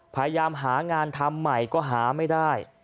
พยายามหางานทำใหม่ก็หาไม่ได้